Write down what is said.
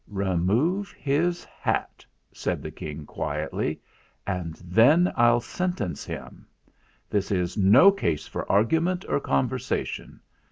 "Remove his hat," said the King quietly, "and then I'll sentence him. This is no case for argument or conversation.